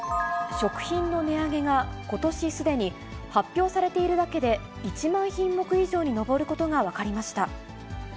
食品の値上げが、ことしすでに発表されているだけで１万品目以上に上ることが分かりました。